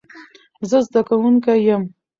زه زدکونکې ېم